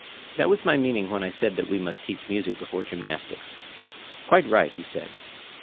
That was my meaning when I said that we must teach music before gymnastics. Quite right, he said.